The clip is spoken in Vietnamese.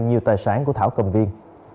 nhiều tài sản của thảo cầm viên